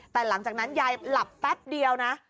แต่หลังจากนั้นยายหลับแป๊บเดียวนะ